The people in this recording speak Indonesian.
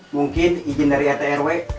mungkin ijin dari rt rw